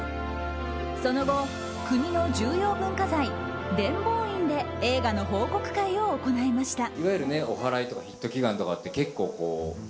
その後国の重要文化財・伝法院で映画の報告会を行いました。